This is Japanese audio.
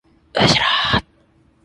うしろ！